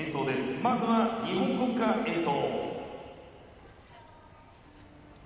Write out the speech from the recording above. まずは日本国歌、演奏。